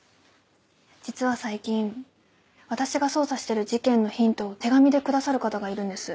実は最近私が捜査してる事件のヒントを手紙で下さる方がいるんです。